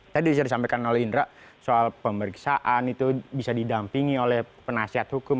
tadi sudah disampaikan oleh indra soal pemeriksaan itu bisa didampingi oleh penasihat hukum